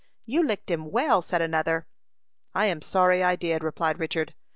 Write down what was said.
"You licked him well," said another. "I am sorry I did," replied Richard.